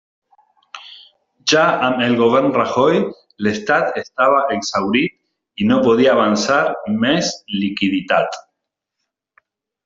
Ja amb el Govern Rajoy, l'Estat estava exhaurit i no podia avançar més liquiditat.